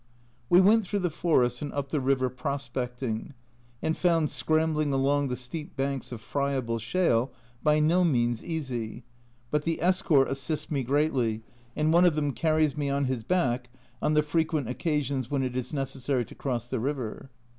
We went through the forest and up the river prospecting, and found scrambling along the steep banks of friable shale by no means easy ; but the escort assists me greatly, and one of them carries me on his back on the frequent occasions when it is necessary to cross the river.